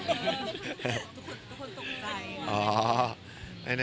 ทุกคนต้องมีใจ